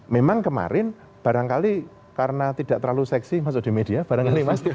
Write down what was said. memang kemarin barangkali karena tidak terlalu seksi masuk di media barangkali mas